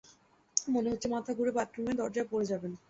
মনে হচ্ছে মাথা ঘুরে বাথরুমের দরজায় পড়ে যাবেন।